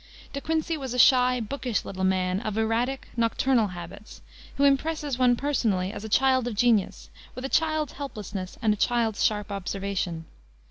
De Quincey was a shy, bookish little man, of erratic, nocturnal habits, who impresses one, personally, as a child of genius, with a child's helplessness and a child's sharp observation.